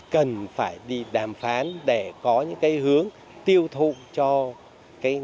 cần phải đi đàm phán để có những hướng tiêu thụ cho ngành